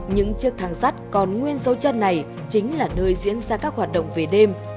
những chiếc thang sắt còn nguyên dấu chân này chính là nơi diễn ra các hoạt động về đêm